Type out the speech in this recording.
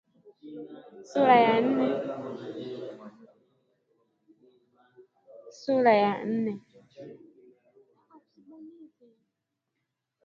Sura ya nane